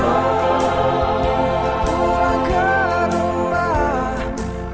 oh pulang ke rumah